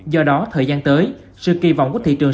do đó thời gian tới sự kỳ vọng của thị trường